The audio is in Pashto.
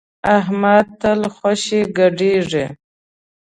احمد تل خوشی ګډېږي.